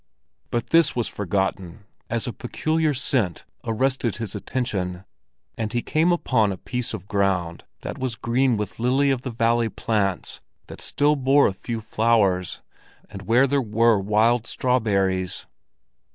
But this was forgotten as a peculiar scent arrested his attention, and he came upon a piece of ground that was green with lily of the valley plants that still bore a few flowers, and where there were wild strawberries.